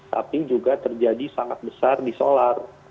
tapi juga terjadi sangat besar di solar